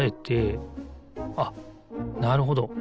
あっなるほど。